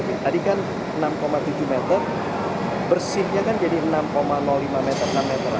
tadi kan enam tujuh meter bersihnya kan jadi enam lima meter enam meter